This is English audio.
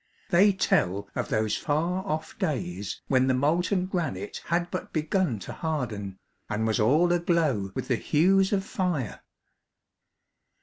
They tell of those far off days when the molten granite had but begun to harden, and was all aglow with the hues of fire.